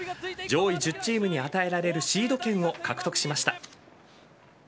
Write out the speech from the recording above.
上位１０チームに与えられるシード権を獲得しました。